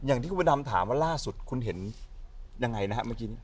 อย่างที่คุณพระดำถามว่าล่าสุดคุณเห็นยังไงนะฮะเมื่อกี้นี้